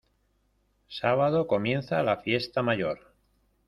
Sábado comienza la Fiesta Mayor.